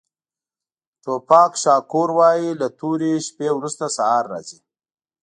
ټوپاک شاکور وایي له تورې شپې وروسته سهار راځي.